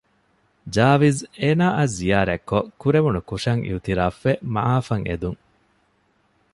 ޖާވިޒް އޭނާއަށް ޒިޔާރަތްކޮއް ކުރެވުނު ކުށަށް އިއުތިރާފްވެ މަޢާފްއަށް އެދުން